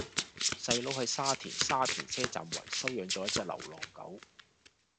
細佬喺沙田沙田車站圍收養左一隻流浪狗